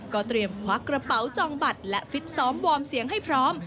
เตรียมควักกระเป๋าจองบัตรและฟิตซ้อมวอร์มเสียงให้พร้อม